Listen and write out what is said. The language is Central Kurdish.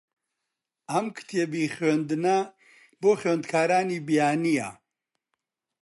ئەم کتێبی خوێندنە بۆ خوێندکارانی بیانییە.